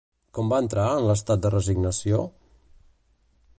Com va entrar en l'estat de resignació?